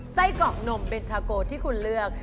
ไส้เกาะนมเบนทาโกที่คุณเลือก